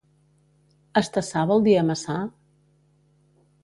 Estassar vol dir amassar?